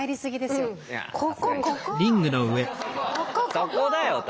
そこだよと。